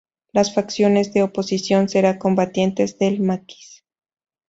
Las facciones de oposición será combatientes del Maquis.